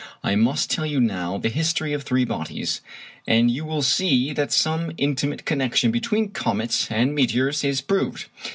I must tell you now the history of three bodies, and you will see that some intimate connection between comets and meteors is proved.